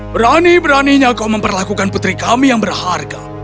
berani beraninya kau memperlakukan putri kami yang berharga